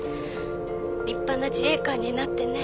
立派な自衛官になってね。